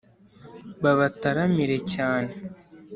babataramire cyane;